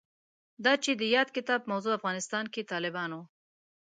دا چې د یاد کتاب موضوع افغانستان کې د طالبانو